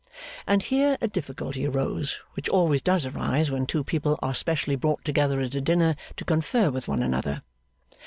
And here a difficulty arose, which always does arise when two people are specially brought together at a dinner to confer with one another.